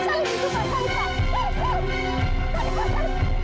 terima kasih mas